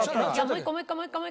もう１個もう１個もう１個！